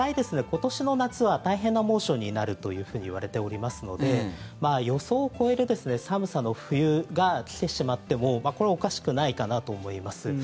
今年の夏は大変な猛暑になるというふうにいわれておりますので予想を超える寒さの冬が来てしまってもこれはおかしくないかなと思います。